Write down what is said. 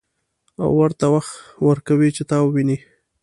او ورته وخت ورکوي چې تا وويني.